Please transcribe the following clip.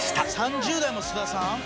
３０代も菅田さん？